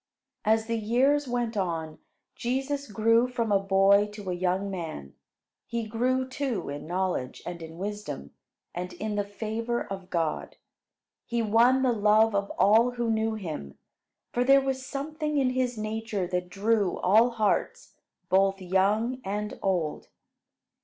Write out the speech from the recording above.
As the years went on, Jesus grew from a boy to a young man. He grew, too, in knowledge, and in wisdom, and in the favor of God. He won the love of all who knew him, for there was something in his nature that drew all hearts, both young and old.